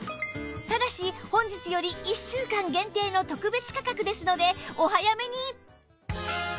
ただし本日より１週間限定の特別価格ですのでお早めに！